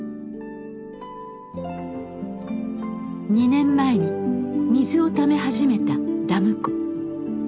２年前に水をため始めたダム湖。